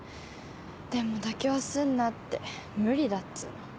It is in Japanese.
でも妥協すんなって無理だっつうの。